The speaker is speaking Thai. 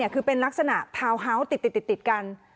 คือเป็นลักษณะทาวน์เฮาส์ติดกัน